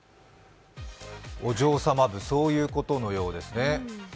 お嬢様部、そういうことのようですね。